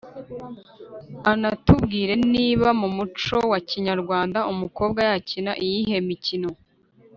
anatubwire niba mu muco wa kinyarwanda umukobwa yakina iyihe mikino